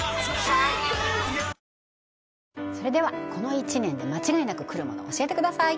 それではこの１年で間違いなく来るものを教えてください